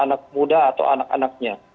anak muda atau anak anaknya